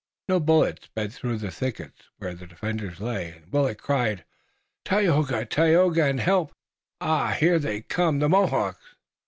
No bullet sped through the thickets, where the defenders lay, and Willet cried: "Tayoga! Tayoga and help! Ah, here they come! The Mohawks!"